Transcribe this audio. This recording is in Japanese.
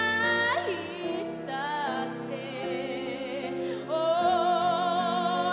いつだって汪」